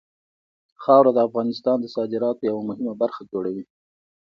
خاوره د افغانستان د صادراتو یوه مهمه برخه جوړوي.